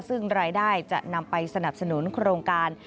ซึ่งรายได้จะนำไปสนับสนุนโครงการ